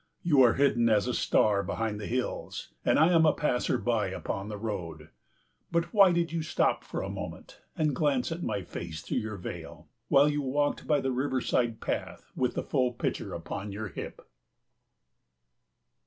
You are hidden as a star behind the hills, and I am a passer by upon the road. But why did you stop for a moment and glance at my face through your veil while you walked by the riverside path with the full pitcher upon your hip?